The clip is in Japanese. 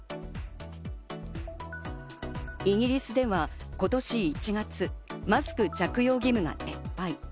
イギリスでは今年１月、マスク着用義務が撤廃。